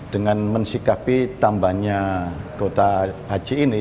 dengan mensikapi tambahnya kuota haji ini